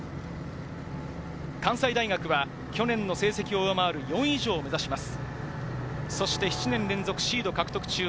関西大学は去年の成績を上回る４位以上を目指します。